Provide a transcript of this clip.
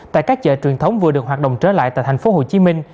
tại các chợ truyền thống vừa được hoạt động trở lại tại tp hcm